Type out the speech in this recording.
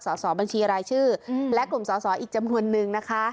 สอบบัญชีรายชื่อและกลุ่มสอสออีกจำนวนนึงนะคะ